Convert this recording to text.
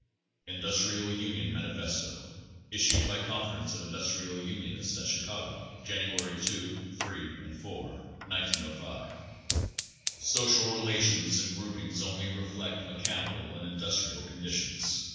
INDUSTRIAL UNION MANIFESTO Issued by Conference of Industrial Unionists at Chi cago, January 2, 3 and 4, 1905. Social relations and groupings only reflect mechani cal and industrial conditions.